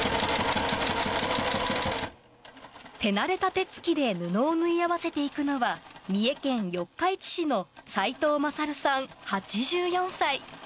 手慣れた手つきで布を縫い合わせていくのは、三重県四日市市の齋藤勝さん８４歳。